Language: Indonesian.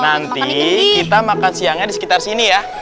nanti kita makan siangnya di sekitar sini ya